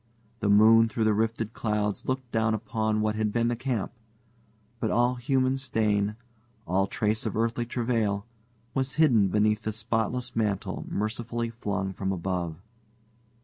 The moon through the rifted clouds looked down upon what had been the camp. But all human stain, all trace of earthly travail, was hidden beneath the spotless mantle mercifully flung from above.